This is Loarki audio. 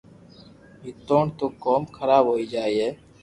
نيتوڙ تو ڪوم خراب ھوئي جائي